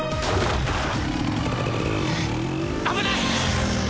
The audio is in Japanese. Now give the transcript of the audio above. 危ない！